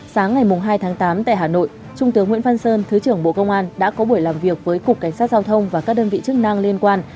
sáng ngày hai tháng tám tại hà nội trung tướng nguyễn văn sơn thứ trưởng bộ công an đã có buổi làm việc với cục cảnh sát giao thông và các đơn vị chức năng liên quan